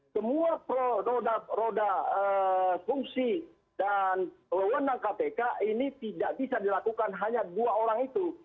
semua roda fungsi dan wewenang kpk ini tidak bisa dilakukan hanya dua orang itu